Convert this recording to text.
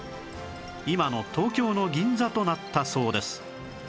今の東京の銀座となったそうです